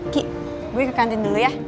ki gue ke kantin dulu ya